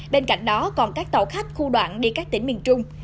bên cạnh đó còn các tàu khách khu đoạn đi các tỉnh miền trung